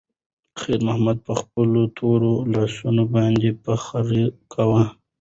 خیر محمد په خپلو تورو لاسونو باندې فخر کاوه.